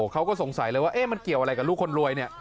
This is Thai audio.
เขาก็สงสัยเลยว่ามันเกี่ยวอะไรกับลูกคนรวยเนี่ย